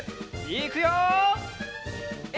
いくよ！